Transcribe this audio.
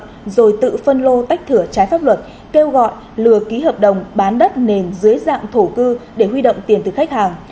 rồi tự phân lô tách thửa trái pháp luật kêu gọi lừa ký hợp đồng bán đất nền dưới dạng thổ cư để huy động tiền từ khách hàng